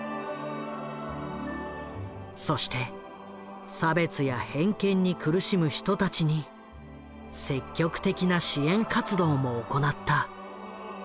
そして差別や偏見に苦しむ人たちに積極的な支援活動も行った。